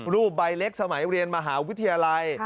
ใบเล็กสมัยเรียนมหาวิทยาลัย